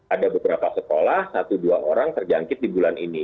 ada beberapa sekolah satu dua orang terjangkit di bulan ini